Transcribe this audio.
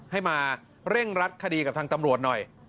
ให้มาเร่งรัดคดีกับทางตำรวจหน่อย